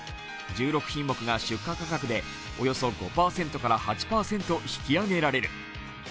１６品目が出荷価格でおよそ５％から８％引き上げられる。